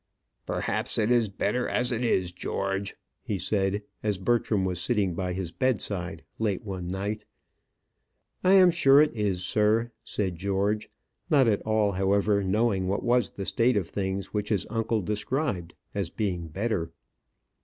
"Perhaps it is better as it is, George," he said, as Bertram was sitting by his bedside late one night. "I am sure it is, sir," said George, not at all, however, knowing what was the state of things which his uncle described as being better.